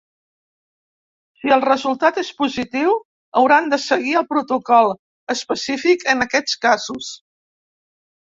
Si el resultat és positiu, hauran de seguir el protocol específic en aquests casos.